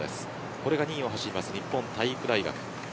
これが２位を走る日本体育大学。